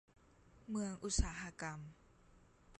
เมืองอุตสาหกรรม